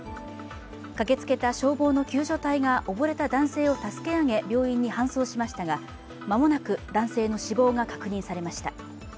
駆けつけた消防の救助隊がおぼれた男性を助け上げ病院に搬送しましたが間もなく男性の死亡が確認されました。